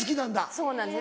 そうなんです。